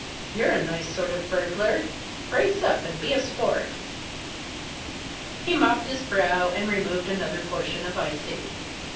You're a nice sort of a burglar! Brace up and be a sport!" He mopped his brow and removed another portion of icing.